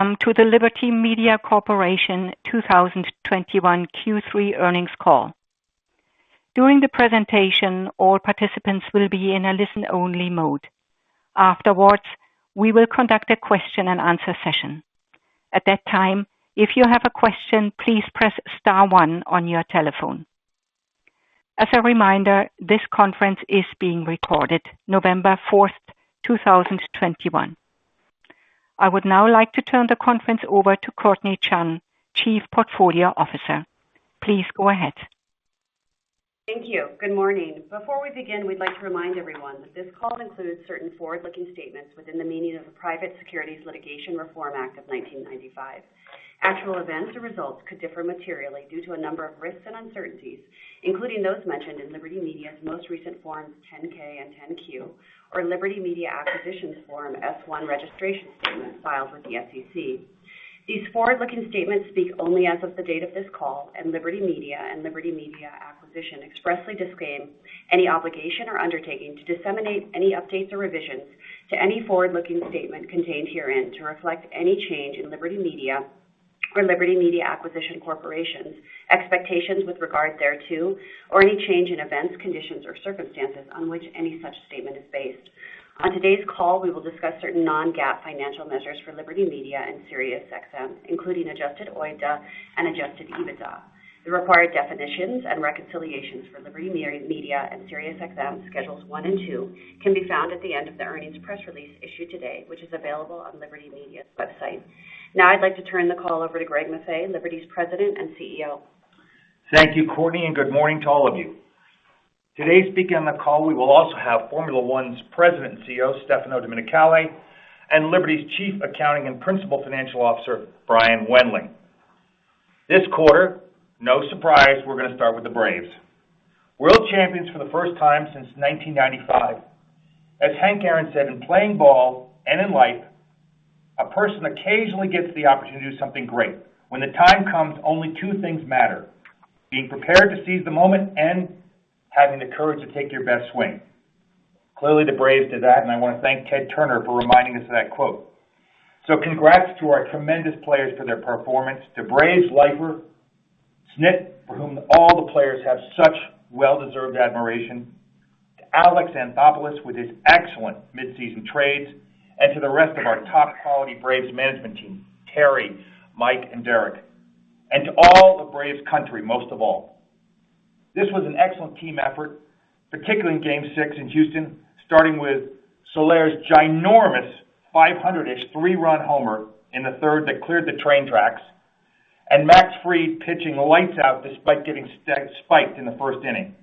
Welcome to the Liberty Media Corporation 2021 Q3 earnings call. During the presentation, all participants will be in a listen-only mode. Afterwards, we will conduct a question-and-answer session. At that time, if you have a question, please press star one on your telephone. As a reminder, this conference is being recorded November fourth, 2021. I would now like to turn the conference over to Courtnee Chun, Chief Portfolio Officer. Please go ahead. Thank you. Good morning. Before we begin, we'd like to remind everyone that this call includes certain forward-looking statements within the meaning of the Private Securities Litigation Reform Act of 1995. Actual events or results could differ materially due to a number of risks and uncertainties, including those mentioned in Liberty Media's most recent forms 10-K and 10-Q, or Liberty Media Acquisition's Form F-1 registration statement filed with the SEC. These forward-looking statements speak only as of the date of this call and Liberty Media and Liberty Media Acquisition expressly disclaim any obligation or undertaking to disseminate any updates or revisions to any forward-looking statement contained herein to reflect any change in Liberty Media or Liberty Media Acquisition Corporation's expectations with regard thereto, or any change in events, conditions, or circumstances on which any such statement is based. On today's call, we will discuss certain non-GAAP financial measures for Liberty Media and SiriusXM, including adjusted OIBDA and adjusted EBITDA. The required definitions and reconciliations for Liberty Media and SiriusXM, schedules 1 and 2, can be found at the end of the earnings press release issued today, which is available on Liberty Media's website. Now I'd like to turn the call over to Greg Maffei, Liberty's President and CEO. Thank you, Courtney, and good morning to all of you. Today speaking on the call, we will also have Formula One's President and CEO, Stefano Domenicali, and Liberty's Chief Accounting Officer and Principal Financial Officer, Brian Wendling. This quarter, no surprise, we're going to start with the Braves. World champions for the first time since 1995. As Hank Aaron said, in playing ball and in life, a person occasionally gets the opportunity to do something great. When the time comes, only two things matter, being prepared to seize the moment and having the courage to take your best swing. Clearly, the Braves did that, and I want to thank Ted Turner for reminding us of that quote. Congrats to our tremendous players for their performance. To the Braves' Leiper, Snit, for whom all the players have such well-deserved admiration, to Alex Anthopoulos with his excellent mid-season trades, and to the rest of our top quality Braves management team, Terry, Mike, and Derek, and to all the Braves country, most of all. This was an excellent team effort, particularly in game six in Houston, starting with Soler's ginormous 500-ish three-run homer in the third that cleared the train tracks, and Max Fried pitching the lights out despite getting stag spiked in the first inning.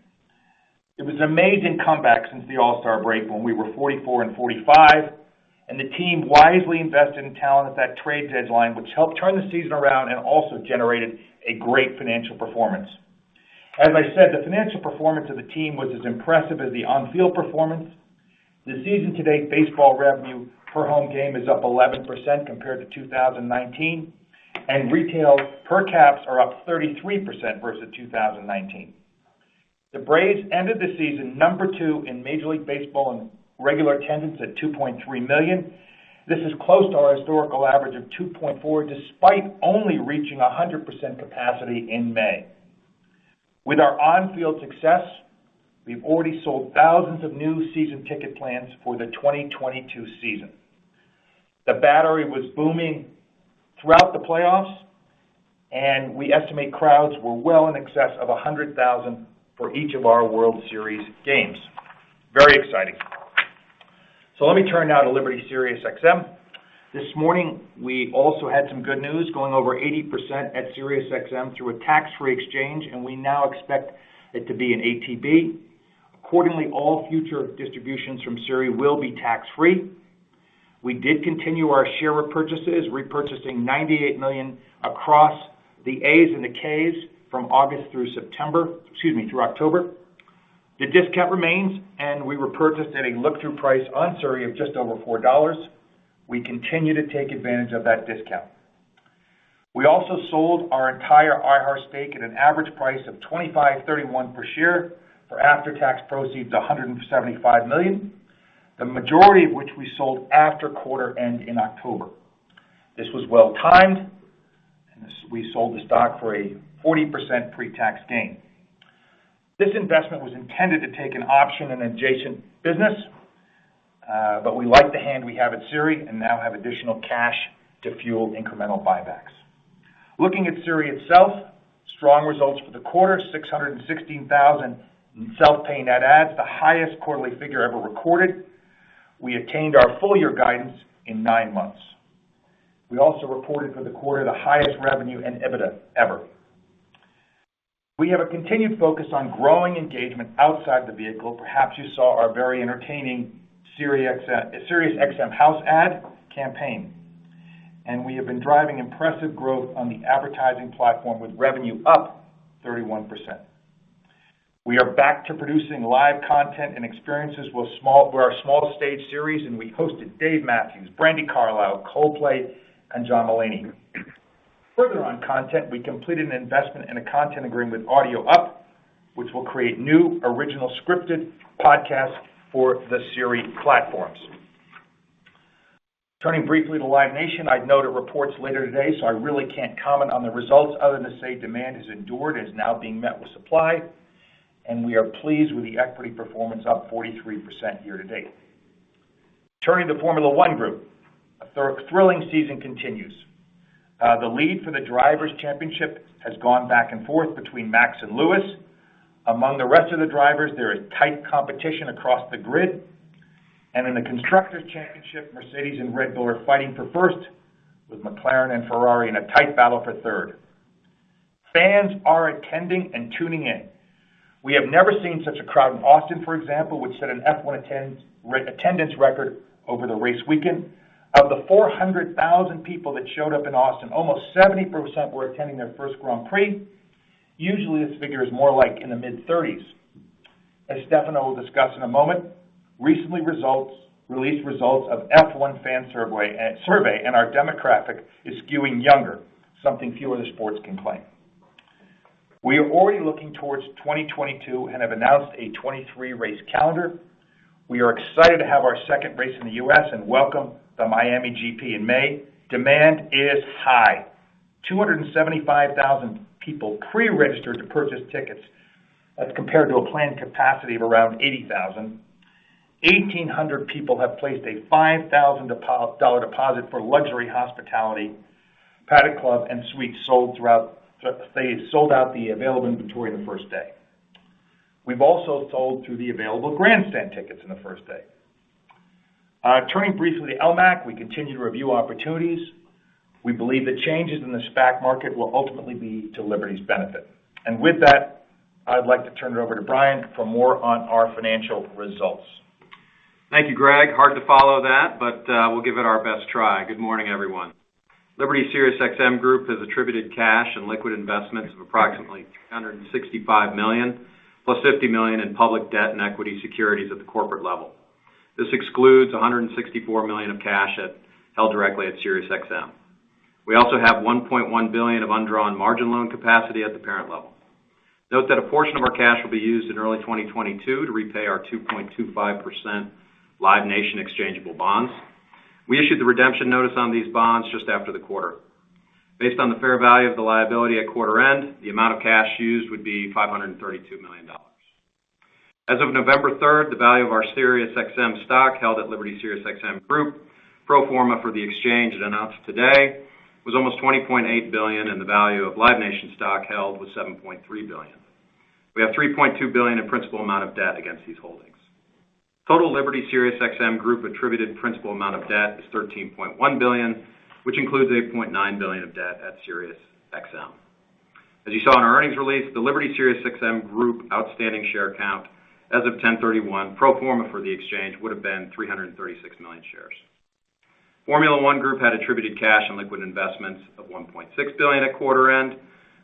It was an amazing comeback since the All-Star break when we were 44 and 45, and the team wisely invested in talent at that trade deadline, which helped turn the season around and also generated a great financial performance. As I said, the financial performance of the team was as impressive as the on-field performance. The season-to-date baseball revenue per home game is up 11% compared to 2019, and retail per caps are up 33% versus 2019. The Braves ended the season No. 2 in Major League Baseball in regular attendance at 2.3 million. This is close to our historical average of 2.4, despite only reaching 100% capacity in May. With our on-field success, we've already sold thousands of new season ticket plans for the 2022 season. The Battery was booming throughout the playoffs, and we estimate crowds were well in excess of 100,000 for each of our World Series games. Very exciting. Let me turn now to Liberty SiriusXM. This morning, we also had some good news going over 80% at SiriusXM through a tax-free exchange, and we now expect it to be an ATB. Accordingly, all future distributions from SiriusXM will be tax-free. We did continue our share repurchases, repurchasing 98 million across the A's and the K's from August through September, excuse me, through October. The discount remains, and we repurchased at a look-through price on SiriusXM of just over $4. We continue to take advantage of that discount. We also sold our entire iHeartMedia stake at an average price of $25.31 per share for after-tax proceeds of $175 million, the majority of which we sold after quarter end in October. This was well-timed, and we sold the stock for a 40% pre-tax gain. This investment was intended to take an option in adjacent business, but we like the hand we have at SiriusXM and now have additional cash to fuel incremental buybacks. Looking at SiriusXM itself, strong results for the quarter, 616,000 in self-paying net adds, the highest quarterly figure ever recorded. We attained our full-year guidance in nine months. We also reported for the quarter the highest revenue and EBITDA ever. We have a continued focus on growing engagement outside the vehicle. Perhaps you saw our very entertaining SiriusXM house ad campaign. We have been driving impressive growth on the advertising platform with revenue up 31%. We are back to producing live content and experiences with our Small Stage series, and we hosted Dave Matthews, Brandi Carlile, Coldplay, and John Mulaney. Further on content, we completed an investment in a content agreement with Audio Up, which will create new original scripted podcasts for the SiriusXM platforms. Turning briefly to Live Nation, I'd note it reports later today, so I really can't comment on the results other than to say demand has endured, is now being met with supply, and we are pleased with the equity performance up 43% year-to-date. Turning to Formula One Group, a thrilling season continues. The lead for the Drivers' Championship has gone back and forth between Max and Lewis. Among the rest of the drivers, there is tight competition across the grid. In the Constructors' Championship, Mercedes and Red Bull are fighting for first with McLaren and Ferrari in a tight battle for third. Fans are attending and tuning in. We have never seen such a crowd in Austin, for example, which set an F1 attendance record over the race weekend. Of the 400,000 people that showed up in Austin, almost 70% were attending their first Grand Prix. Usually, this figure is more like in the mid-30s%. As Stefano will discuss in a moment, recently released results of F1 fan survey, and our demographic is skewing younger, something fewer sports can claim. We are already looking towards 2022 and have announced a 23-race calendar. We are excited to have our second race in the U.S. and welcome the Miami GP in May. Demand is high. 275,000 people pre-registered to purchase tickets as compared to a planned capacity of around 80,000. 1,800 people have placed a $5,000 deposit for luxury hospitality, Paddock Club, and suites sold throughout the. They sold out the available inventory on the first day. We've also sold through the available grandstand tickets in the first day. Turning briefly to LMAC, we continue to review opportunities. We believe the changes in the SPAC market will ultimately be to Liberty's benefit. With that, I'd like to turn it over to Brian for more on our financial results. Thank you, Greg. Hard to follow that, but we'll give it our best try. Good morning, everyone. Liberty SiriusXM Group has attributable cash and liquid investments of approximately $365 million, + $50 million in public debt and equity securities at the corporate level. This excludes $164 million of cash held directly at SiriusXM. We also have $1.1 billion of undrawn margin loan capacity at the parent level. Note that a portion of our cash will be used in early 2022 to repay our 2.25% Live Nation exchangeable bonds. We issued the redemption notice on these bonds just after the quarter. Based on the fair value of the liability at quarter end, the amount of cash used would be $532 million. As of November 3, the value of our SiriusXM stock held at Liberty SiriusXM Group, pro forma for the exchange it announced today, was almost $20.8 billion, and the value of Live Nation stock held was $7.3 billion. We have $3.2 billion in principal amount of debt against these holdings. Total Liberty SiriusXM Group attributed principal amount of debt is $13.1 billion, which includes $0.9 billion of debt at SiriusXM. As you saw in our earnings release, the Liberty SiriusXM Group outstanding share count as of 10/31 pro forma for the exchange would have been 336 million shares. Formula One Group had attributed cash and liquid investments of $1.6 billion at quarter end,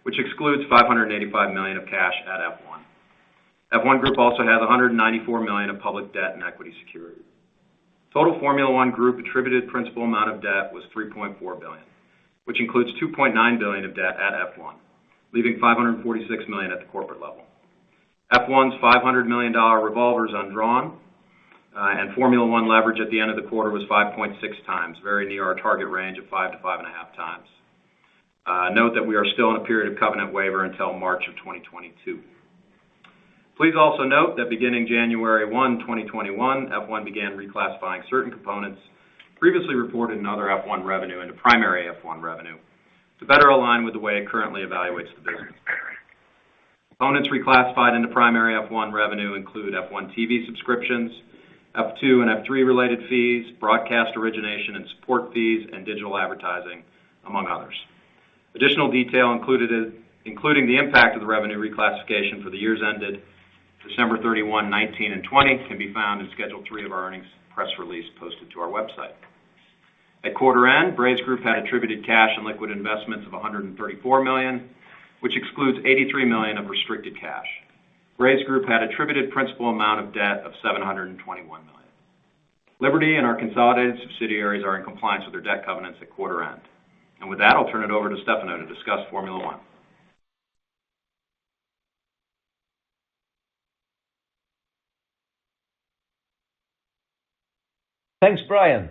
which excludes $585 million of cash at F1. F1 Group also has $194 million of public debt and equity securities. Total Formula One Group attributable principal amount of debt was $3.4 billion, which includes $2.9 billion of debt at F1, leaving $546 million at the corporate level. F1's $500 million revolver is undrawn, and Formula One leverage at the end of the quarter was 5.6 times, very near our target range of 5-5.5 times. Note that we are still in a period of covenant waiver until March 2022. Please also note that beginning January 1, 2021, F1 began reclassifying certain components previously reported in other F1 revenue into primary F1 revenue to better align with the way it currently evaluates the business. Components reclassified into primary F1 revenue include F1 TV subscriptions, F2 and F3 related fees, broadcast origination and support fees, and digital advertising, among others. Additional detail including the impact of the revenue reclassification for the years ended December 31, 2019, and 2020 can be found in Schedule three of our earnings press release posted to our website. At quarter-end, Braves Group had attributable cash and liquid investments of $134 million, which excludes $83 million of restricted cash. Braves Group had attributable principal amount of debt of $721 million. Liberty and our consolidated subsidiaries are in compliance with their debt covenants at quarter-end. With that, I'll turn it over to Stefano to discuss Formula One. Thanks, Brian.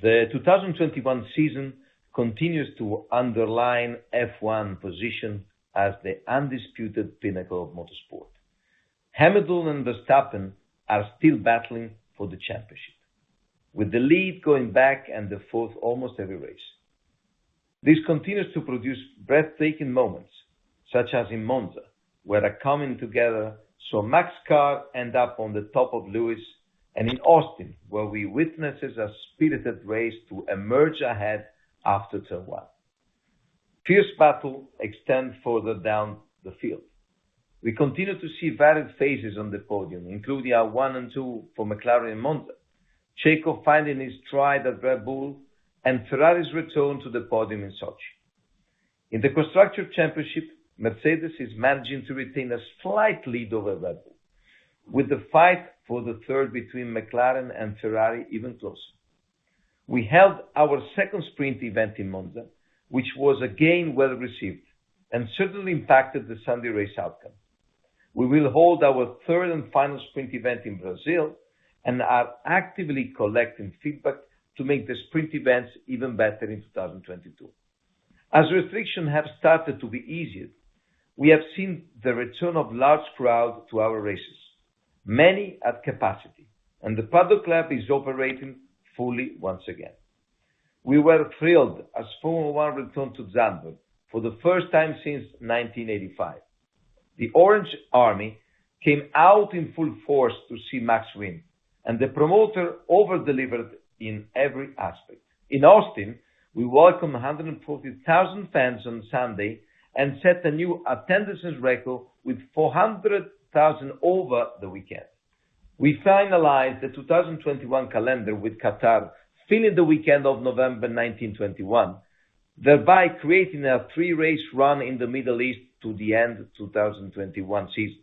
The 2021 season continues to underline F1 position as the undisputed pinnacle of motorsport. Hamilton and Verstappen are still battling for the championship, with the lead going back and forth almost every race. This continues to produce breathtaking moments, such as in Monza, where a coming together saw Max's car end up on the top of Lewis, and in Austin, where we witnessed a spirited race to emerge ahead after turn one. Fierce battle extends further down the field. We continue to see varied faces on the podium, including our one and two for McLaren Monza, Checo finding his stride at Red Bull, and Ferrari's return to the podium in Sochi. In the Constructors' Championship, Mercedes is managing to retain a slight lead over Red Bull. With the fight for third between McLaren and Ferrari even closer. We held our second sprint event in Monza, which was again well-received and certainly impacted the Sunday race outcome. We will hold our third and final sprint event in Brazil and are actively collecting feedback to make the sprint events even better in 2022. As restrictions have started to be easier, we have seen the return of large crowds to our races, many at capacity, and the Paddock Club is operating fully once again. We were thrilled as Formula One returned to Zandvoort for the first time since 1985. The Orange Army came out in full force to see Max win, and the promoter over-delivered in every aspect. In Austin, we welcome 140,000 fans on Sunday and set a new attendance record with 400,000 over the weekend. We finalized the 2021 calendar with Qatar, filling the weekend of November 19, 2021, thereby creating a three-race run in the Middle East to the end of 2021 season.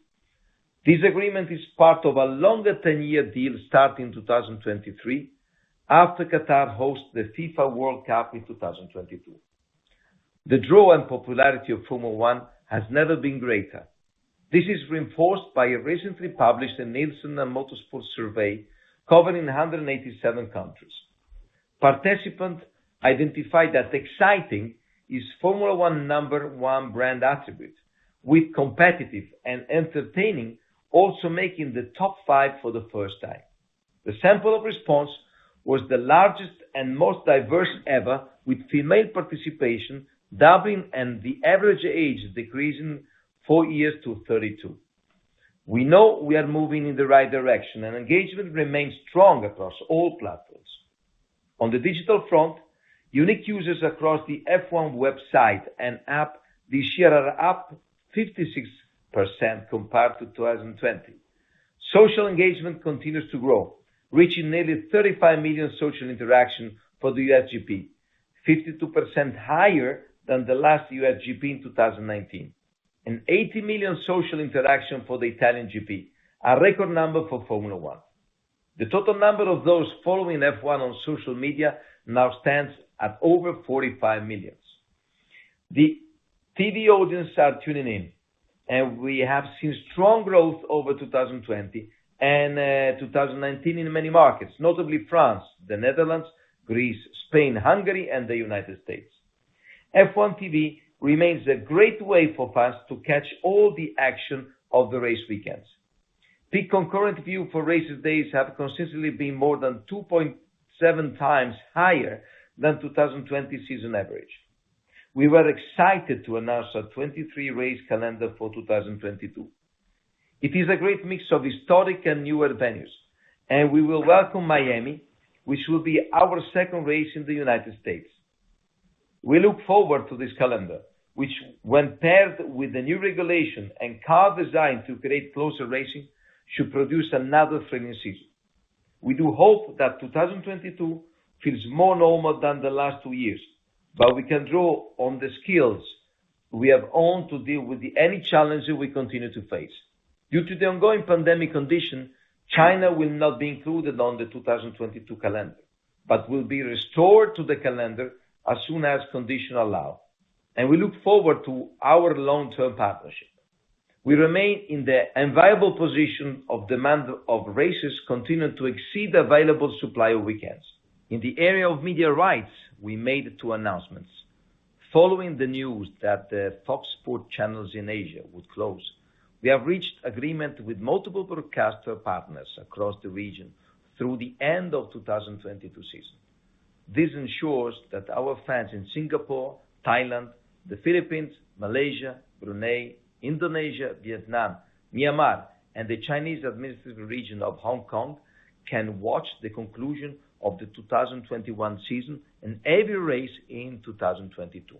This agreement is part of a longer 10-year deal starting 2023 after Qatar hosts the FIFA World Cup in 2022. The draw and popularity of Formula One has never been greater. This is reinforced by a recently published Nielsen and Motorsport survey covering 187 countries. Participants identified that exciting is Formula One number one brand attribute, with competitive and entertaining also making the top five for the first time. The sample of response was the largest and most diverse ever, with female participation doubling, and the average age decreasing four years to 32. We know we are moving in the right direction, and engagement remains strong across all platforms. On the digital front, unique users across the F1 website and app this year are up 56% compared to 2020. Social engagement continues to grow, reaching nearly 35 million social interaction for the USGP, 52% higher than the last USGP in 2019. Eighty million social interaction for the Italian GP, a record number for Formula One. The total number of those following F1 on social media now stands at over 45 million. The TV audience are tuning in, and we have seen strong growth over 2020 and 2019 in many markets, notably France, the Netherlands, Greece, Spain, Hungary, and the United States. F1 TV remains a great way for fans to catch all the action of the race weekends. Peak concurrent views for race days have consistently been more than 2.7 times higher than 2020 season average. We were excited to announce a 23-race calendar for 2022. It is a great mix of historic and newer venues, and we will welcome Miami, which will be our second race in the United States. We look forward to this calendar, which when paired with the new regulation and car design to create closer racing, should produce another thrilling season. We do hope that 2022 feels more normal than the last two years, but we can draw on the skills we have honed to deal with any challenge that we continue to face. Due to the ongoing pandemic condition, China will not be included on the 2022 calendar, but will be restored to the calendar as soon as conditions allow. We look forward to our long-term partnership. We remain in the enviable position of demand for races continuing to exceed the available supply of weekends. In the area of media rights, we made two announcements. Following the news that the top sport channels in Asia would close, we have reached agreement with multiple broadcaster partners across the region through the end of the 2022 season. This ensures that our fans in Singapore, Thailand, the Philippines, Malaysia, Brunei, Indonesia, Vietnam, Myanmar, and the Chinese administrative region of Hong Kong can watch the conclusion of the 2021 season and every race in 2022.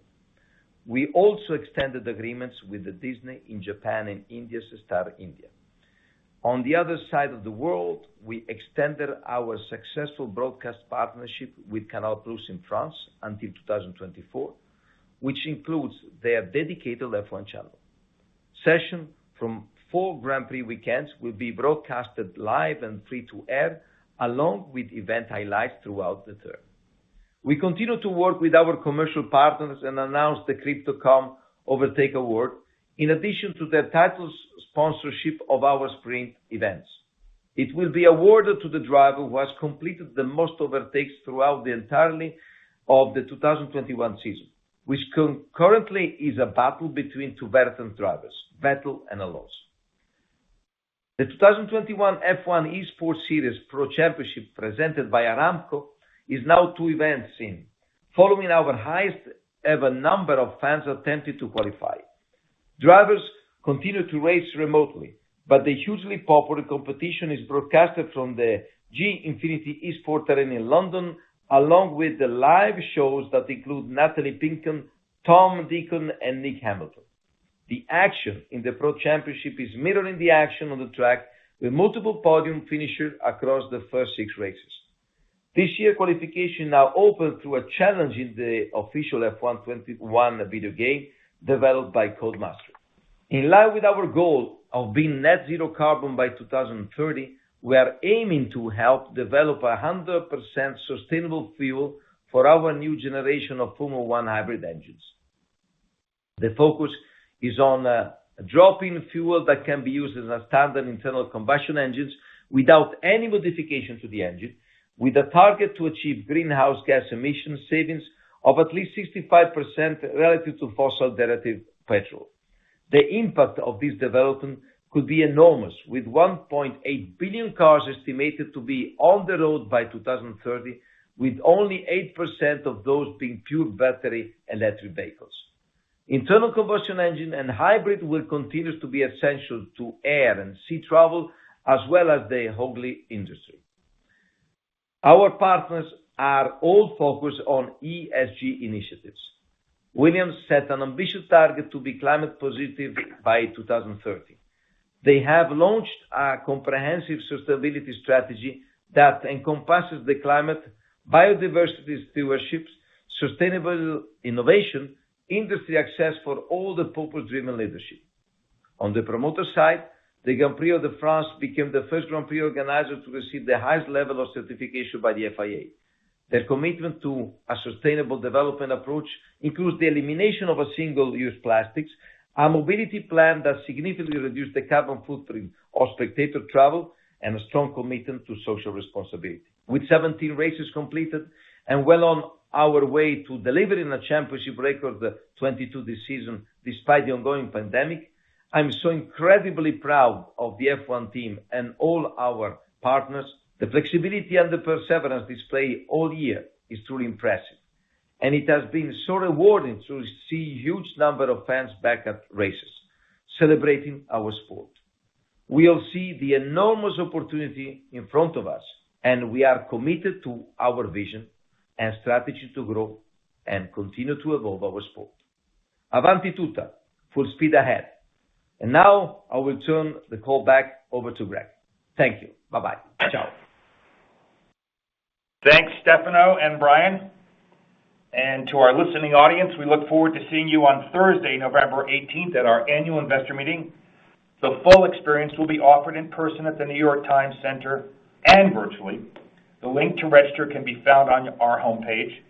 We also extended agreements with Disney in Japan and India, Star India. On the other side of the world, we extended our successful broadcast partnership with Canal+ in France until 2024, which includes their dedicated F1 channel. Sessions from four Grand Prix weekends will be broadcast live and free-to-air, along with event highlights throughout the term. We continue to work with our commercial partners and announce the Crypto.com Overtake Award in addition to their title sponsorship of our sprint events. It will be awarded to the driver who has completed the most overtakes throughout the entirety of the 2021 season, which concurrently is a battle between two veteran drivers, Vettel and Alonso. The 2021 F1 Esports Series Pro Championship presented by Aramco is now two events in, following our highest ever number of fans attempting to qualify. Drivers continue to race remotely, but the hugely popular competition is broadcasted from the Gfinity Arena in London, along with the live shows that include Natalie Pinkham, Tom Deacon, and Nick Hamilton. The action in the Pro Championship is mirroring the action on the track with multiple podium finishers across the first six races. This year, qualification now open to a challenge in the official F1 21 video game developed by Codemasters. In line with our goal of being net zero carbon by 2030, we are aiming to help develop 100% sustainable fuel for our new generation of Formula One hybrid engines. The focus is on drop-in fuel that can be used as a standard internal combustion engines without any modification to the engine, with a target to achieve greenhouse gas emission savings of at least 65% relative to fossil derivative petrol. The impact of this development could be enormous, with 1.8 billion cars estimated to be on the road by 2030, with only 8% of those being pure battery electric vehicles. Internal combustion engine and hybrid will continue to be essential to air and sea travel, as well as the haulage industry. Our partners are all focused on ESG initiatives. Williams set an ambitious target to be climate positive by 2030. They have launched a comprehensive sustainability strategy that encompasses the climate, biodiversity stewardships, sustainable innovation, industry access for all the purpose-driven leadership. On the promoter side, the Grand Prix de France became the first Grand Prix organizer to receive the highest level of certification by the FIA. Their commitment to a sustainable development approach includes the elimination of a single-use plastics, a mobility plan that significantly reduced the carbon footprint of spectator travel, and a strong commitment to social responsibility. With 17 races completed and well on our way to delivering a championship record of 22 this season despite the ongoing pandemic, I'm so incredibly proud of the F1 team and all our partners. The flexibility and the perseverance displayed all year is truly impressive, and it has been so rewarding to see a huge number of fans back at races celebrating our sport. We all see the enormous opportunity in front of us, and we are committed to our vision and strategy to grow and continue to evolve our sport. Avanti tutta. Full speed ahead. Now I will turn the call back over to Greg. Thank you. Bye-bye. Ciao. Thanks, Stefano and Brian. To our listening audience, we look forward to seeing you on Thursday, November eighteenth at our annual investor meeting. The full experience will be offered in person at The Times Center and virtually. The link to register can be found on our homepage.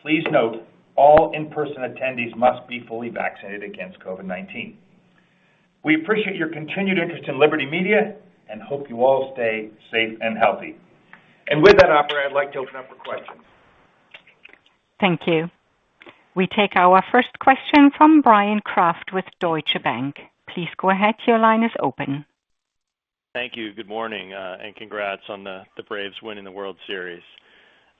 Please note all in-person attendees must be fully vaccinated against COVID-19. We appreciate your continued interest in Liberty Media and hope you all stay safe and healthy. With that, operator, I'd like to open up for questions. Thank you. We take our first question from Bryan Kraft with Deutsche Bank. Please go ahead. Your line is open. Thank you. Good morning, and congrats on the Braves winning the World Series.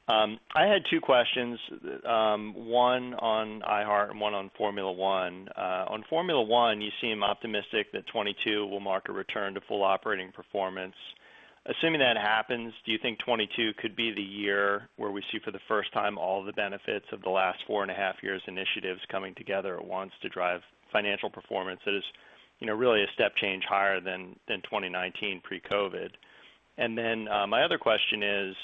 I had two questions. One on iHeart and one on Formula One. On Formula One, you seem optimistic that 2022 will mark a return to full operating performance. Assuming that happens, do you think 2022 could be the year where we see for the first time all the benefits of the last 4.5 years initiatives coming together at once to drive financial performance that is, you know, really a step change higher than 2019 pre-COVID? My other question is,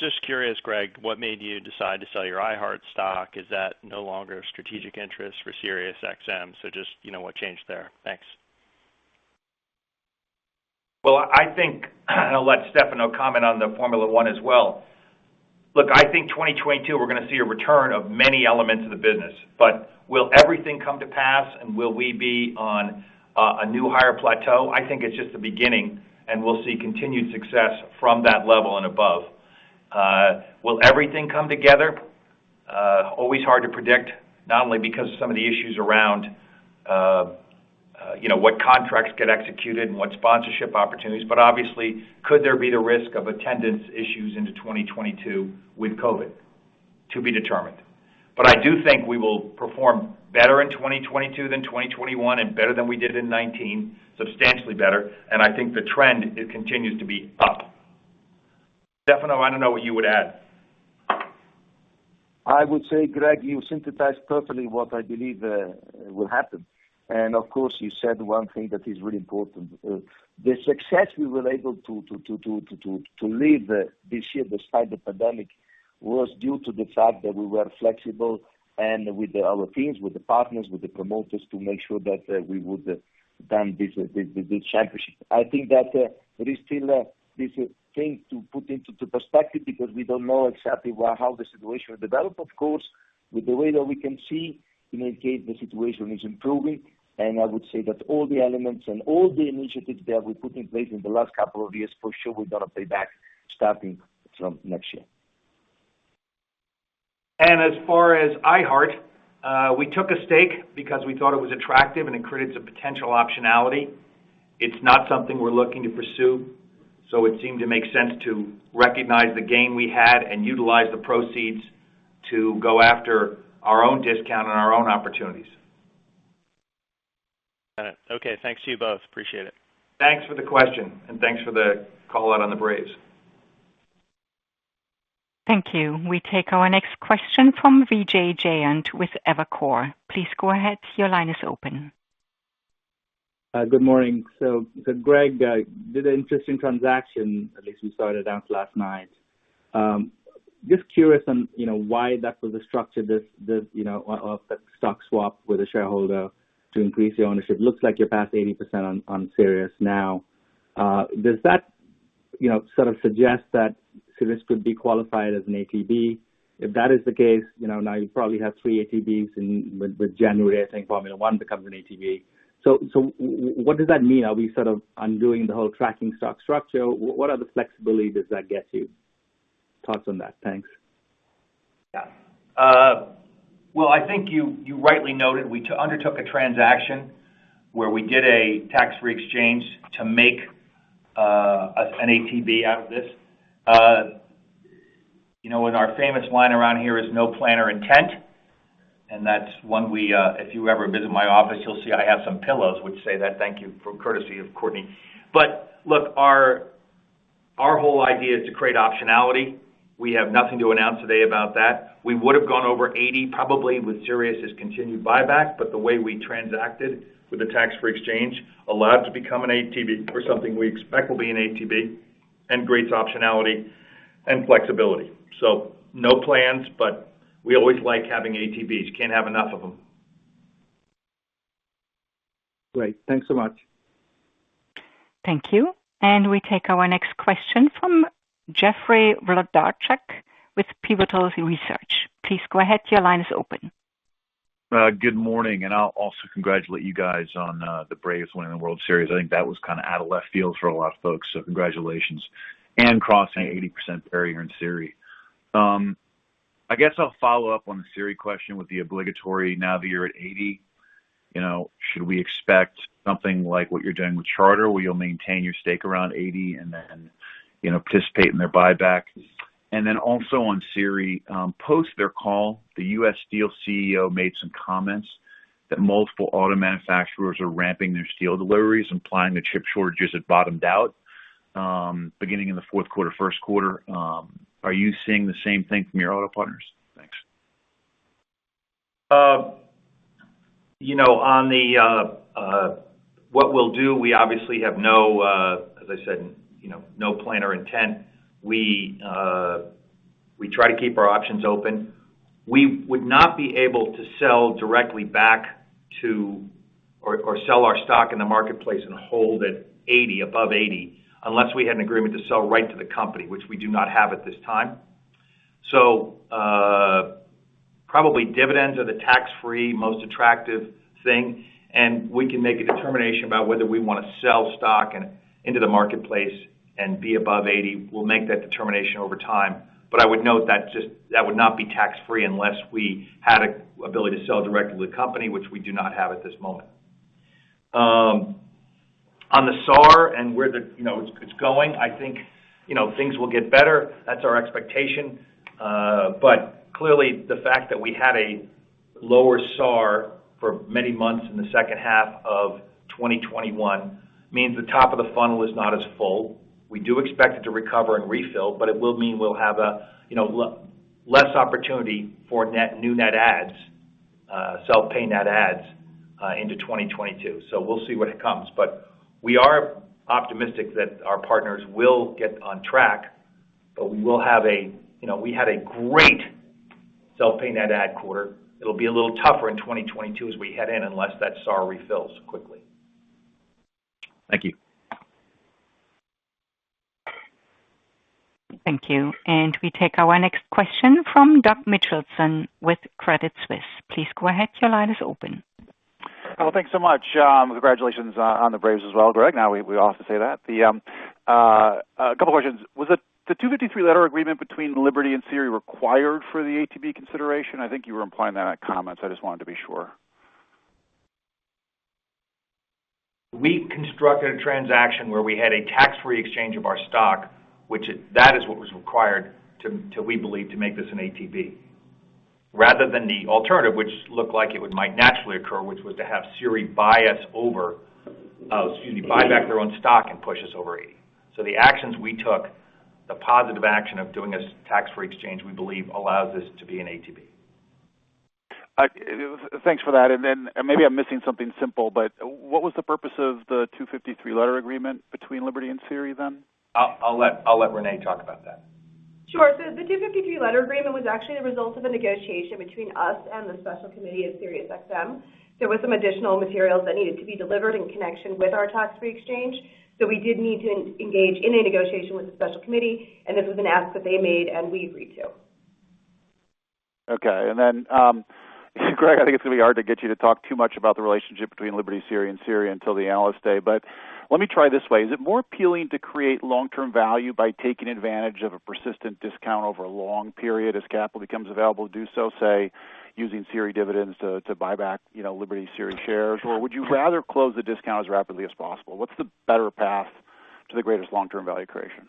just curious, Greg, what made you decide to sell your iHeart stock? Is that no longer a strategic interest for SiriusXM? So just, you know, what changed there? Thanks. Well, I think I'll let Stefano comment on the Formula One as well. Look, I think 2022, we're gonna see a return of many elements of the business. Will everything come to pass, and will we be on a new higher plateau? I think it's just the beginning, and we'll see continued success from that level and above. Will everything come together? Always hard to predict, not only because of some of the issues around, you know, what contracts get executed and what sponsorship opportunities, but obviously, could there be the risk of attendance issues into 2022 with COVID? To be determined. I do think we will perform better in 2022 than 2021 and better than we did in 2019, substantially better. I think the trend, it continues to be up. Stefano, I don't know what you would add. I would say, Greg, you synthesized perfectly what I believe will happen. Of course, you said one thing that is really important. The success we were able to lead this year despite the pandemic was due to the fact that we were flexible and with our teams, with the partners, with the promoters, to make sure that we would done this championship. I think that there is still this thing to put into perspective because we don't know exactly how the situation will develop, of course. With the way that we can see, it indicates the situation is improving. I would say that all the elements and all the initiatives that we put in place in the last couple of years, for sure we're gonna pay back starting from next year. As far as iHeartMedia, we took a stake because we thought it was attractive, and it created some potential optionality. It's not something we're looking to pursue, so it seemed to make sense to recognize the gain we had and utilize the proceeds to go after our own discount and our own opportunities. Got it. Okay. Thanks to you both. Appreciate it. Thanks for the question, and thanks for the call out on the Braves. Thank you. We take our next question from Vijay Jayant with Evercore. Please go ahead. Your line is open. Good morning. Greg Maffei did an interesting transaction, at least we saw it announced last night. Just curious on why that was structured as a stock swap with a shareholder to increase your ownership. Looks like you're past 80% on Sirius now. Does that sort of suggest that Sirius could be qualified as an ATB? If that is the case, now you probably have three ATBs and with January, I think Formula One becomes an ATB. What does that mean? Are we sort of undoing the whole tracking stock structure? What other flexibility does that get you? Thoughts on that. Thanks. Yeah. Well, I think you rightly noted we undertook a transaction where we did a tax-free exchange to make us an ATB out of this. You know, and our famous line around here is no plan or intent, and that's one we. If you ever visit my office, you'll see I have some pillows which say that. Thank you for courtesy of Courtney. But look, our whole idea is to create optionality. We have nothing to announce today about that. We would've gone over $80 probably with SiriusXM's continued buyback, but the way we transacted with the tax-free exchange allowed to become an ATB or something we expect will be an ATB and creates optionality and flexibility. So no plans, but we always like having ATBs. Can't have enough of them. Great. Thanks so much. Thank you. We take our next question from Jeffrey Wlodarczak with Pivotal Research. Please go ahead. Your line is open. Good morning, I'll also congratulate you guys on the Braves winning the World Series. I think that was kind of out of left field for a lot of folks, so congratulations. Crossing 80% barrier in SiriusXM. I guess I'll follow up on the SiriusXM question with the obligatory now that you're at 80, you know, should we expect something like what you're doing with Charter, where you'll maintain your stake around 80 and then, you know, participate in their buyback? Also on SiriusXM, post their call, the U.S. Steel CEO made some comments that multiple auto manufacturers are ramping their steel deliveries, implying the chip shortages had bottomed out, beginning in the fourth quarter, first quarter. Are you seeing the same thing from your auto partners? Thanks. You know, on the what we'll do, we obviously have no, as I said, you know, no plan or intent. We try to keep our options open. We would not be able to sell directly back to or sell our stock in the marketplace and hold at $80, above $80 unless we had an agreement to sell directly to the company, which we do not have at this time. Probably dividends are the tax-free most attractive thing, and we can make a determination about whether we wanna sell stock into the marketplace and be above $80. We'll make that determination over time. I would note that would not be tax-free unless we had an ability to sell directly to the company, which we do not have at this moment. On the SAR, you know, it's going, I think, you know, things will get better. That's our expectation. But clearly, the fact that we had a lower SAR for many months in the second half of 2021 means the top of the funnel is not as full. We do expect it to recover and refill, but it will mean we'll have a, you know, less opportunity for net new adds, self-pay net adds, into 2022. We'll see when it comes. We are optimistic that our partners will get on track, but we will have a, you know, we had a great self-pay net add quarter. It'll be a little tougher in 2022 as we head in unless that SAR refills quickly. Thank you. Thank you. We take our next question from Doug Mitchelson with Credit Suisse. Please go ahead. Your line is open. Well, thanks so much. Congratulations on the Braves as well, Greg. Now we ought to say that. A couple questions. Was the 253 Letter Agreement between Liberty and SiriusXM required for the ATB consideration? I think you were implying that on comments. I just wanted to be sure. We constructed a transaction where we had a tax-free exchange of our stock, which, that is what was required to, we believe, to make this an ATB rather than the alternative, which looked like it might naturally occur, which was to have SiriusXM buy back their own stock and push us over 80. The actions we took, the positive action of doing a tax-free exchange, we believe allows this to be an ATB. Thanks for that. Maybe I'm missing something simple, but what was the purpose of the 253 Letter Agreement between Liberty and Sirius then? I'll let Renee talk about that. Sure. The 253 Letter Agreement was actually the result of a negotiation between us and the special committee at Sirius XM. There were some additional materials that needed to be delivered in connection with our tax-free exchange, so we did need to engage in a negotiation with the special committee, and this was an ask that they made and we agreed to. Okay. Greg, I think it's gonna be hard to get you to talk too much about the relationship between Liberty SiriusXM and SiriusXM until the Analyst Day, but let me try this way. Is it more appealing to create long-term value by taking advantage of a persistent discount over a long period as capital becomes available to do so, say, using SiriusXM dividends to buy back, you know, Liberty SiriusXM shares? Or would you rather close the discount as rapidly as possible? What's the better path to the greatest long-term value creation?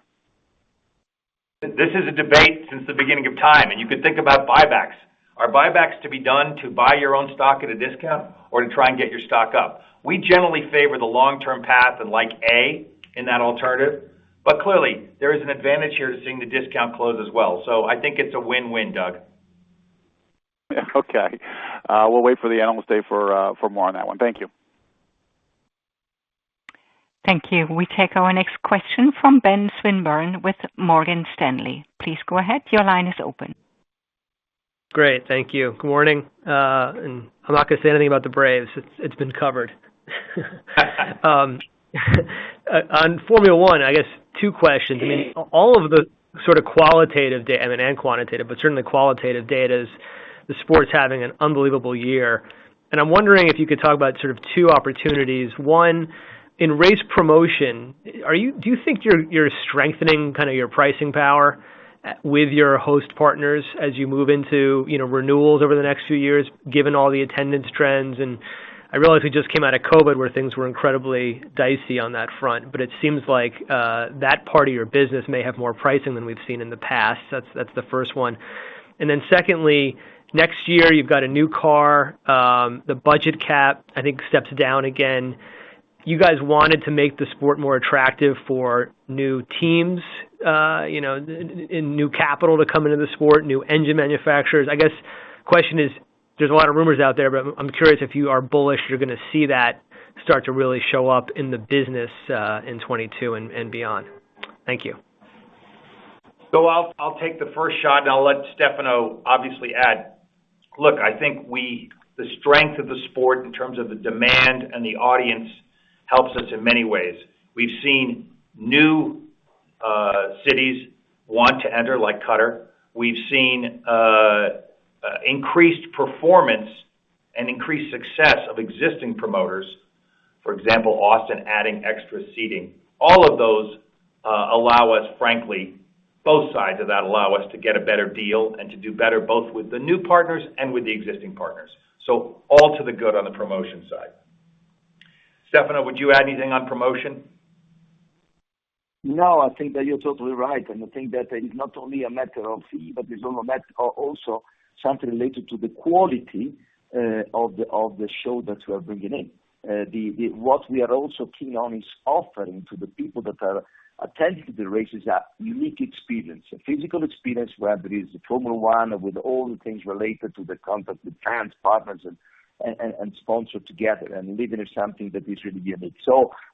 This is a debate since the beginning of time, and you could think about buybacks. Are buybacks to be done to buy your own stock at a discount or to try and get your stock up? We generally favor the long-term path and like A in that alternative. Clearly, there is an advantage here to seeing the discount close as well. I think it's a win-win, Doug. Okay. We'll wait for the Analyst Day for more on that one. Thank you. Thank you. We take our next question from Ben Swinburne with Morgan Stanley. Please go ahead. Your line is open. Great. Thank you. Good morning. I'm not gonna say anything about the Braves. It's been covered. On Formula One, I guess two questions. I mean-... all of the sort of qualitative and quantitative, but certainly qualitative data is the sports having an unbelievable year. I'm wondering if you could talk about sort of two opportunities. One, in race promotion, are you-- do you think you're strengthening kind of your pricing power with your host partners as you move into, you know, renewals over the next few years, given all the attendance trends? I realize we just came out of COVID where things were incredibly dicey on that front, but it seems like that part of your business may have more pricing than we've seen in the past. That's the first one. Then secondly, next year you've got a new car. The budget cap, I think, steps down again. You guys wanted to make the sport more attractive for new teams, you know, in new capital to come into the sport, new engine manufacturers. I guess question is, there's a lot of rumors out there, but I'm curious if you are bullish, you're gonna see that start to really show up in the business, in 2022 and beyond. Thank you. I'll take the first shot, and I'll let Stefano obviously add. Look, I think we the strength of the sport in terms of the demand and the audience helps us in many ways. We've seen new cities want to enter like Qatar. We've seen increased performance and increased success of existing promoters. For example, Austin adding extra seating. All of those allow us, frankly, both sides of that allow us to get a better deal and to do better, both with the new partners and with the existing partners. All to the good on the promotion side. Stefano, would you add anything on promotion? No, I think that you're totally right, and I think that it's not only a matter of fee, but it's also something related to the quality of the show that we are bringing in. What we are also keen on is offering to the people that are attending to the races a unique experience, a physical experience where there is a Formula One with all the things related to the contract with fans, partners and sponsor together, and living something that is really unique.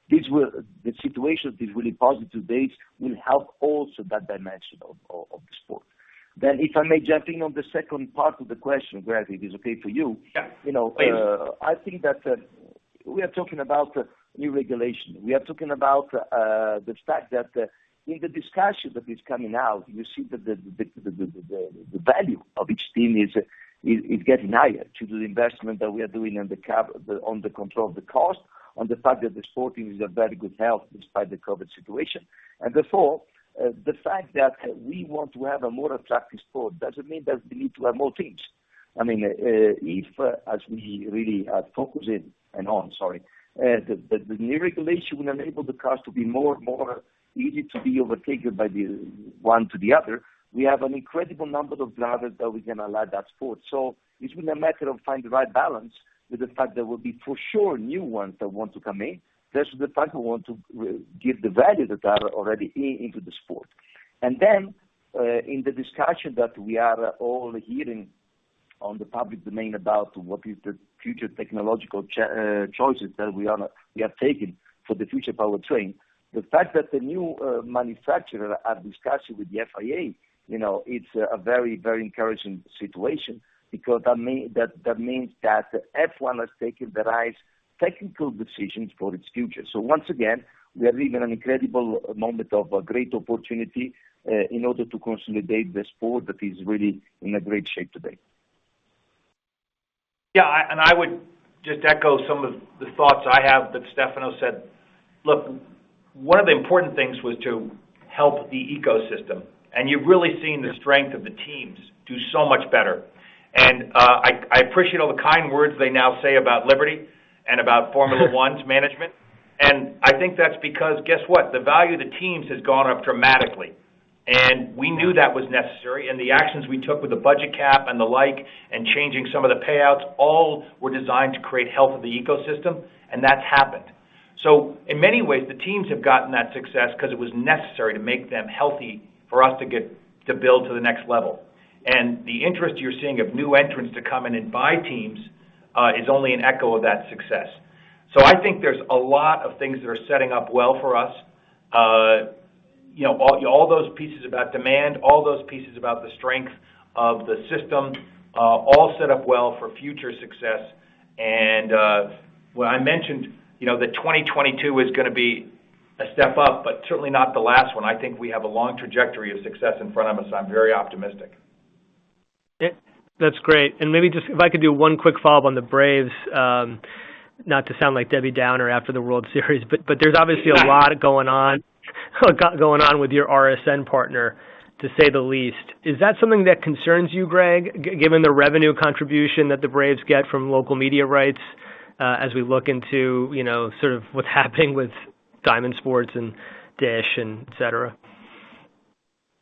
The situation is really positive to date, will help also that dimension of the sport. If I may jump in on the second part of the question, Greg, if it's okay for you. Yeah. Please. You know, I think that we are talking about new regulation. We are talking about the fact that in the discussion that is coming out, you see that the value of each team is getting higher due to the investment that we are doing on the cap, on the control of the cost, on the fact that the sport is in a very good health despite the COVID situation. Therefore, the fact that we want to have a more attractive sport doesn't mean that we need to have more teams. I mean, if as we really focus in on, sorry, the new regulation will enable the cars to be more and more easy to be overtaken by the one to the other. We have an incredible number of drivers that we can allow that sport. It's been a matter of finding the right balance with the fact there will be for sure new ones that want to come in, versus the fact we want to give the value that they are already in into the sport. Then, in the discussion that we are all hearing on the public domain about what is the future technological choices that we are taking for the future powertrain, the fact that the new manufacturers are discussing with the FIA, you know, it's a very, very encouraging situation because that means that F1 has taken the right technical decisions for its future. Once again, we are living an incredible moment of a great opportunity, in order to consolidate the sport that is really in a great shape today. Yeah. I would just echo some of the thoughts I have that Stefano said. Look, one of the important things was to help the ecosystem, and you've really seen the strength of the teams do so much better. I appreciate all the kind words they now say about Liberty and about Formula One's management. I think that's because, guess what? The value of the teams has gone up dramatically. We knew that was necessary, and the actions we took with the budget cap and the like, and changing some of the payouts, all were designed to create health of the ecosystem, and that's happened. In many ways, the teams have gotten that success because it was necessary to make them healthy for us to get to build to the next level. The interest you're seeing of new entrants to come in and buy teams is only an echo of that success. I think there's a lot of things that are setting up well for us. You know, all those pieces about demand, all those pieces about the strength of the system, all set up well for future success. When I mentioned, you know, that 2022 is gonna be a step up, but certainly not the last one. I think we have a long trajectory of success in front of us. I'm very optimistic. Yeah. That's great. Maybe just if I could do one quick follow-up on the Braves, not to sound like Debbie Downer after the World Series, but there's obviously a lot going on with your RSN partner, to say the least. Is that something that concerns you, Greg, given the revenue contribution that the Braves get from local media rights, as we look into, you know, sort of what's happening with Diamond Sports and DISH and et cetera?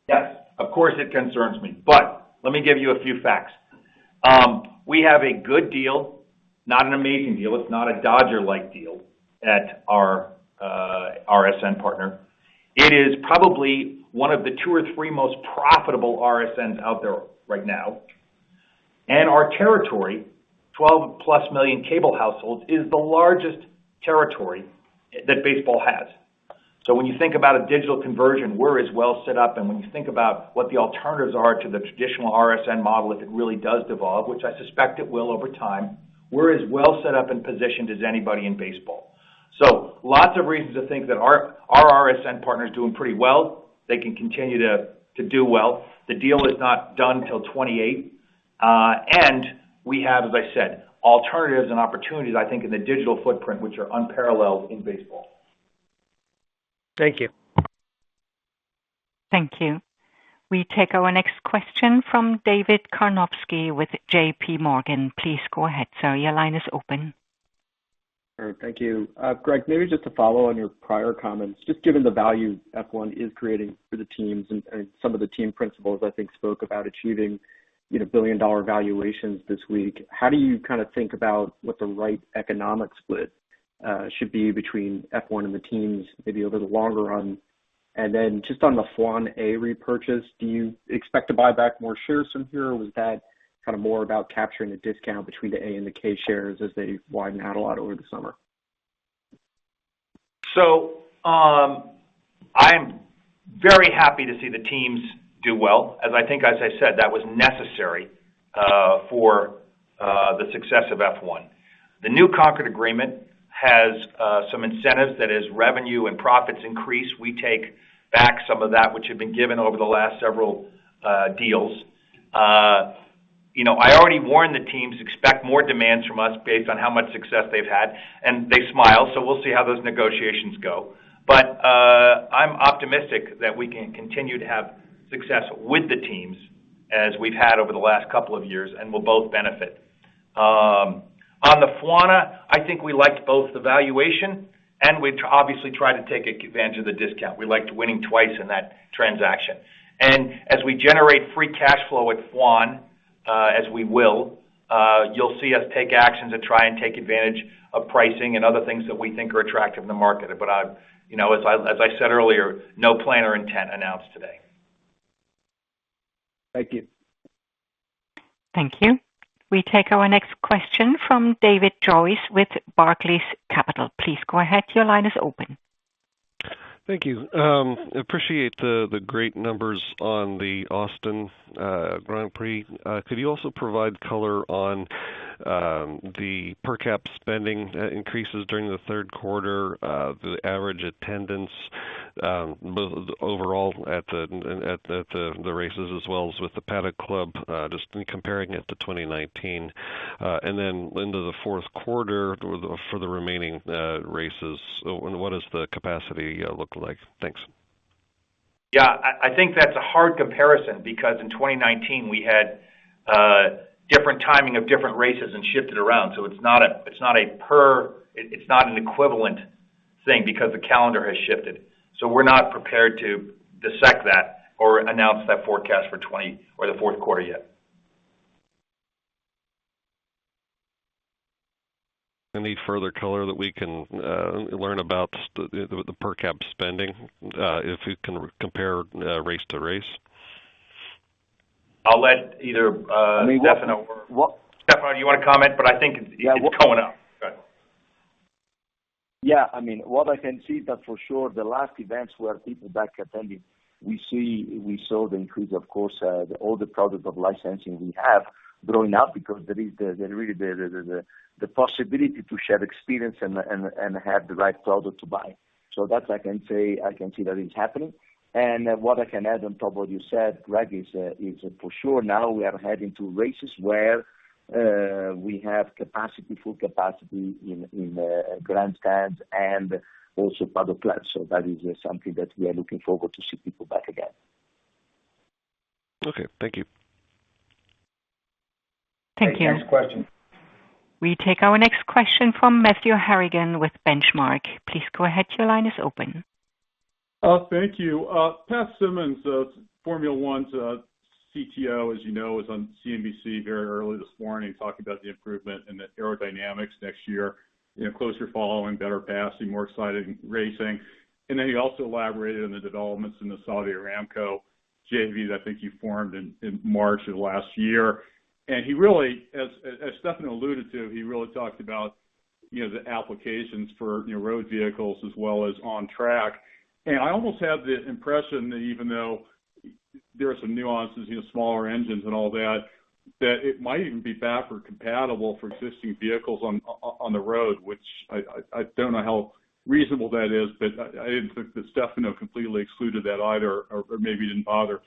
Yes, of course it concerns me, but let me give you a few facts. We have a good deal, not an amazing deal. It's not a Dodgers-like deal at our RSN partner. It is probably one of the two or three most profitable RSNs out there right now. Our territory, 12+ million cable households, is the largest territory that baseball has. When you think about a digital conversion, we're as well set up. When you think about what the alternatives are to the traditional RSN model, if it really does devolve, which I suspect it will over time, we're as well set up and positioned as anybody in baseball. Lots of reasons to think that our RSN partner is doing pretty well. They can continue to do well. The deal is not done till 2028. We have, as I said, alternatives and opportunities, I think, in the digital footprint, which are unparalleled in baseball. Thank you. Thank you. We take our next question from David Karnovsky with J.P. Morgan. Please go ahead, sir. Your line is open. All right. Thank you. Greg, maybe just to follow on your prior comments, just given the value F1 is creating for the teams and some of the team principals, I think, spoke about achieving, you know, billion-dollar valuations this week. How do you kinda think about what the right economic split should be between F1 and the teams, maybe a little longer run? And then just on the FWONA-A repurchase, do you expect to buy back more shares from here? Or was that kinda more about capturing the discount between the A and the K shares as they widen out a lot over the summer? I am very happy to see the teams do well, as I think as I said, that was necessary for the success of F1. The new Concorde Agreement has some incentives that as revenue and profits increase, we take back some of that which had been given over the last several deals. You know, I already warned the teams, expect more demands from us based on how much success they've had, and they smiled, so we'll see how those negotiations go. I'm optimistic that we can continue to have success with the teams as we've had over the last couple of years and will both benefit. On the FWONA, I think we liked both the valuation, and we obviously tried to take advantage of the discount. We liked winning twice in that transaction. As we generate free cash flow at FWON, as we will, you'll see us take actions to try and take advantage of pricing and other things that we think are attractive in the market. You know, as I said earlier, no plan or intent announced today. Thank you. Thank you. We take our next question from David Joyce with Barclays. Please go ahead. Your line is open. Thank you. Appreciate the great numbers on the Austin Grand Prix. Could you also provide color on the per cap spending increases during the third quarter, the average attendance overall at the races as well as with the Paddock Club, just in comparing it to 2019. Into the fourth quarter for the remaining races, and what does the capacity look like? Thanks. I think that's a hard comparison because in 2019 we had different timing of different races and shifted around. It's not an equivalent thing because the calendar has shifted. We're not prepared to dissect that or announce that forecast for the fourth quarter yet. Any further color that we can learn about the per cap spending, if you can compare race to race? I'll let either. I mean. Stefano What- Stefano, do you wanna comment? I think. Yeah, what It's coming up. Go ahead. Yeah, I mean, what I can see that for sure the last events where people back attending, we saw the increase, of course, all the products of licensing we have growing up because there is really the possibility to share experience and have the right product to buy. That I can say I can see that is happening. What I can add on top of what you said, Greg, is for sure now we are heading to races where we have capacity, full capacity in grandstands and also Paddock Club. That is something that we are looking forward to see people back again. Okay. Thank you. Thank you. Next question. We take our next question from Matthew Harrigan with Benchmark. Please go ahead. Your line is open. Thank you. Pat Symonds, Formula 1's CTO, as you know, was on CNBC very early this morning talking about the improvement in the aerodynamics next year, you know, closer following, better passing, more exciting racing. He also elaborated on the developments in the Saudi Aramco JV that I think you formed in March of last year. He really, as Stefano alluded to, he really talked about, you know, the applications for, you know, road vehicles as well as on track. I almost have the impression that even though there are some nuances, you know, smaller engines and all that it might even be backward compatible for existing vehicles on the road, which I don't know how reasonable that is, but I didn't think that Stefano completely excluded that either or maybe didn't bother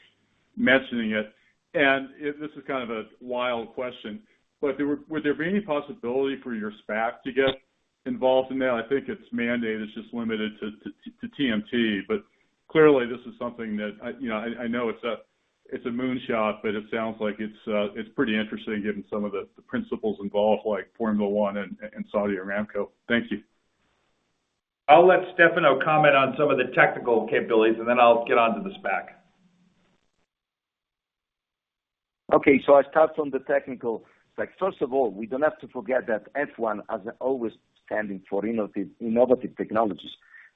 mentioning it. If this is kind of a wild question, but would there be any possibility for your SPAC to get involved in that? I think its mandate is just limited to TMT, but clearly this is something that I, you know. I know it's a moonshot, but it sounds like it's pretty interesting given some of the principals involved like Formula one and Saudi Aramco. Thank you. I'll let Stefano comment on some of the technical capabilities, and then I'll get on to the SPAC. Okay, I start from the technical. Like, first of all, we don't have to forget that F1 has always stood for innovative technologies,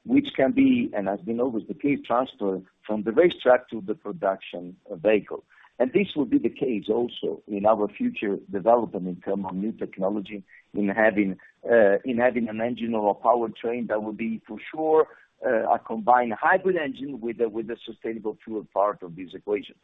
which can be, and has been always the case, transferred from the racetrack to the production vehicle. This will be the case also in our future development in terms of new technology in having an engine or a powertrain that will be for sure a combined hybrid engine with a sustainable fuel part of this equation.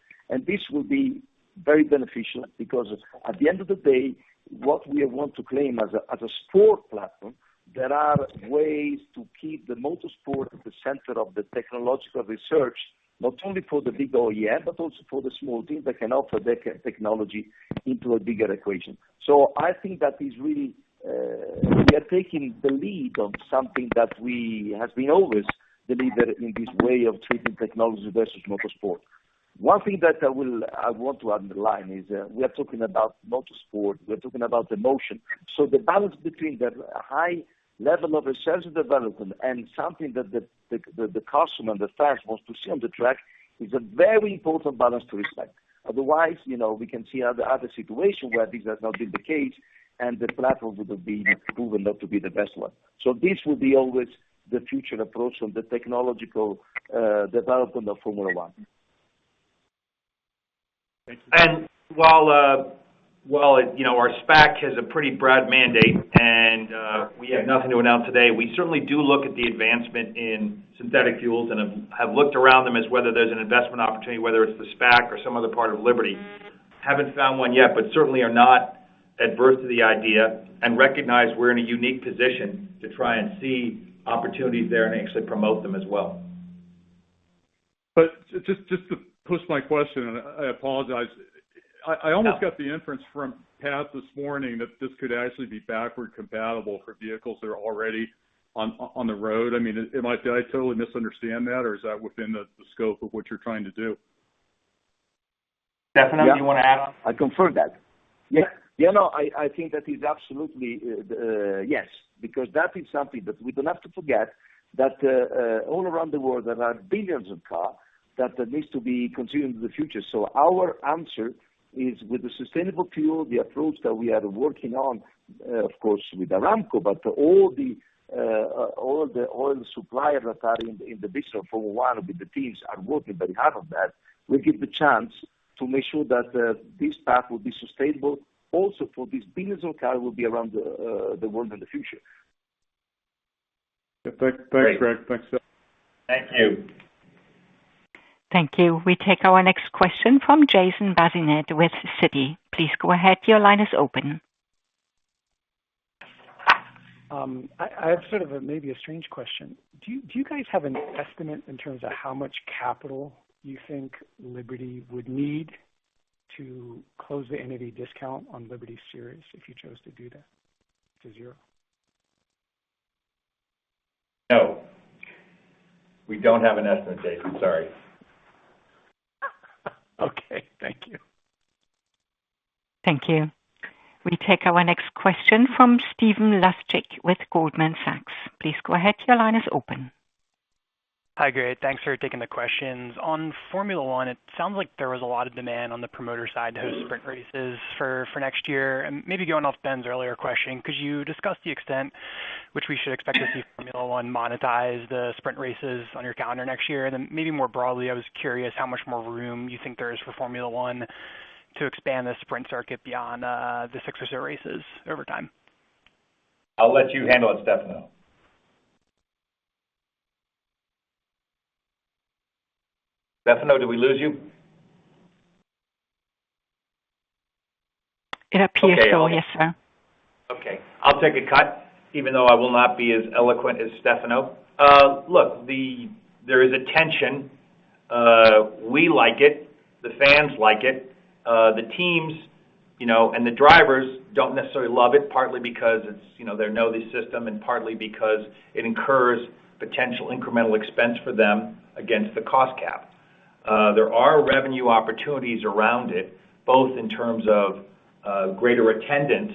This will be very beneficial because at the end of the day, what we want to claim as a sport platform, there are ways to keep the motorsport at the center of the technological research, not only for the big OEM, but also for the small teams that can offer their technology into a bigger equation. I think that is really, we are taking the lead on something that we have been always the leader in this way of treating technology versus motorsport. One thing that I want to underline is, we are talking about motorsport, we're talking about the motion. The balance between the high level of research and development and something that the customer and the fans wants to see on the track is a very important balance to respect. Otherwise, you know, we can see other situation where this has not been the case and the platform would have been proven not to be the best one. This will be always the future approach on the technological development of Formula One. While you know, our SPAC has a pretty broad mandate, and we have nothing to announce today, we certainly do look at the advancement in synthetic fuels and have looked around them as whether there's an investment opportunity, whether it's the SPAC or some other part of Liberty. Haven't found one yet, but certainly are not adverse to the idea and recognize we're in a unique position to try and see opportunities there and actually promote them as well. Just to push my question, I apologize. I almost got the inference from Pat this morning that this could actually be backward compatible for vehicles that are already on the road. I mean, am I? Did I totally misunderstand that, or is that within the scope of what you're trying to do? Stefano, you wanna add on? Yeah. I confirm that. Yeah. No, I think that is absolutely yes. Because that is something that we don't have to forget that all around the world there are billions of cars that needs to be continued in the future. So our answer is with the sustainable fuel, the approach that we are working on, of course, with Aramco, but all the oil suppliers that are in the business of Formula One with the teams are working very hard on that. We get the chance to make sure that this path will be sustainable also for these billions of cars will be around the world in the future. Okay. Thanks, Greg. Thanks, Stefano. Thank you. Thank you. We take our next question from Jason Bazinet with Citi. Please go ahead. Your line is open. I have sort of maybe a strange question. Do you guys have an estimate in terms of how much capital you think Liberty would need to close the entity discount on Liberty Series if you chose to do that to zero? No. We don't have an estimate, Jason. Sorry. Okay. Thank you. Thank you. We take our next question from Stephen Laszczyk with Goldman Sachs. Please go ahead. Your line is open. Hi, Greg. Thanks for taking the questions. On Formula One, it sounds like there was a lot of demand on the promoter side to host sprint races for next year. Maybe going off Ben's earlier question, could you discuss the extent to which we should expect to see Formula One monetize the sprint races on your calendar next year? Then maybe more broadly, I was curious how much more room you think there is for Formula One to expand the sprint circuit beyond the six or so races over time. I'll let you handle it, Stefano. Stefano, did we lose you? It appears so. Yes, sir. Okay. I'll take a cut, even though I will not be as eloquent as Stefano. Look, there is a tension. We like it. The fans like it. The teams, you know, and the drivers don't necessarily love it, partly because it's, you know, they know the system and partly because it incurs potential incremental expense for them against the cost cap. There are revenue opportunities around it, both in terms of greater attendance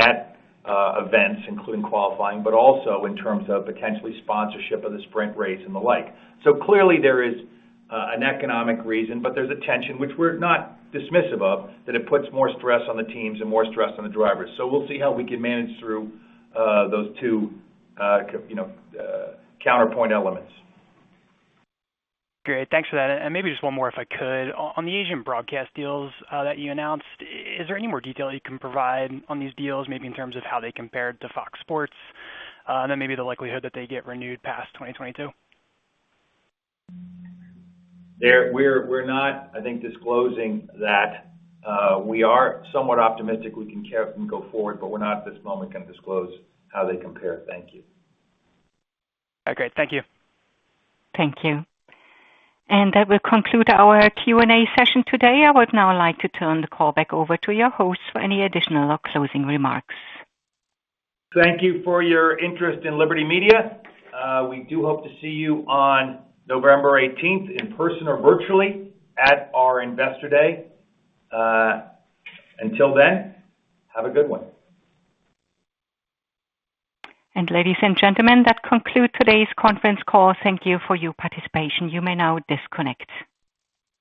at events, including qualifying, but also in terms of potentially sponsorship of the sprint race and the like. Clearly there is an economic reason, but there's a tension which we're not dismissive of, that it puts more stress on the teams and more stress on the drivers. We'll see how we can manage through those two, you know, counterpoint elements. Great. Thanks for that. Maybe just one more, if I could. On the Asian broadcast deals that you announced, is there any more detail you can provide on these deals, maybe in terms of how they compared to Fox Sports? Maybe the likelihood that they get renewed past 2022. We're not, I think, disclosing that. We are somewhat optimistic we can go forward, but we're not at this moment gonna disclose how they compare. Thank you. Okay. Thank you. Thank you. That will conclude our Q&A session today. I would now like to turn the call back over to your host for any additional closing remarks. Thank you for your interest in Liberty Media. We do hope to see you on November eighteenth in person or virtually at our Investor Day. Until then, have a good one. Ladies and gentlemen, that conclude today's conference call. Thank you for your participation. You may now disconnect.